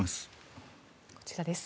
こちらです。